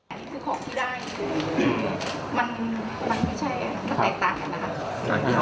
อันนี้คือของที่ได้มันไม่ใช่มันแตกต่างกันนะคะ